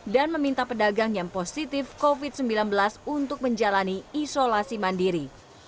dan meminta pedagang yang positif covid sembilan belas untuk menjalani isolasi mandiri